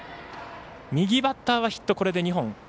右バッターはヒットこれで２本。